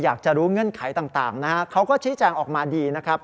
อยากจะรู้เงื่อนไขต่างนะฮะเขาก็ชี้แจงออกมาดีนะครับ